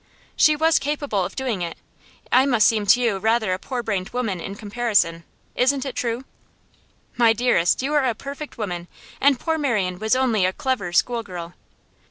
'She was capable of doing it. I must seem to you rather a poor brained woman in comparison. Isn't it true?' 'My dearest, you are a perfect woman, and poor Marian was only a clever school girl.